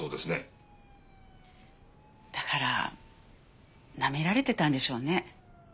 だからなめられてたんでしょうね。